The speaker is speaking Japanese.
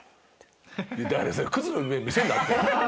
だからクズの面見せんなって。